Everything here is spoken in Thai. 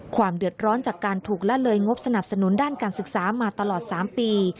ความเดือดร้อนจากการถูกละเลยงบสนับสนุนด้านการศึกษามาตลอด๓ปี